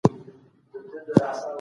موجود دي او